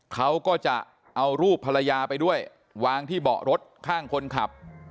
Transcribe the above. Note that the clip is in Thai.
เขาก็จะเอารูปภรรยาไปด้วยวางที่เบาะรถข้างคนขับ